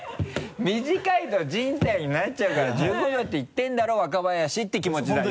「短いと人体になっちゃうから１５秒って言ってるだろ若林」て気持ちだ今。